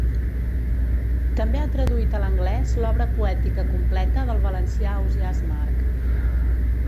També ha traduït a l'anglès l'obra poètica completa del valencià Ausiàs March.